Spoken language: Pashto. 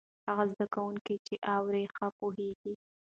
هغه زده کوونکی چې اوري، ښه پوهېږي.